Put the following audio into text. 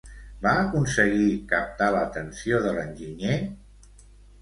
Va aconseguir captar l'atenció de l'enginyer?